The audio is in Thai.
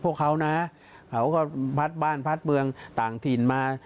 พวกเขานะเขาก็พัดบ้านพัดเมืองต่างถิ่นมา